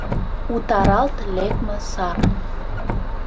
Утаралт лекме сар...